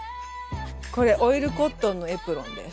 これオイルコットンのエプロンです。